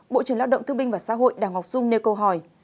bộ trưởng lao động thương binh và xã hội đào ngọc dung nêu câu hỏi